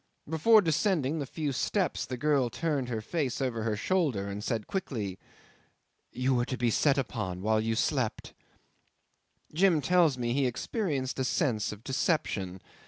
Before descending the few steps the girl turned her face over her shoulder and said quickly, "You were to be set upon while you slept." Jim tells me he experienced a sense of deception.